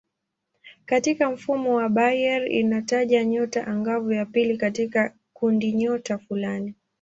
Katika mfumo wa Bayer inataja nyota angavu ya pili katika kundinyota fulani.